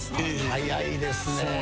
早いですね。